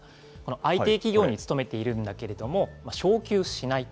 ＩＴ企業に勤めているんだけれども昇給しない。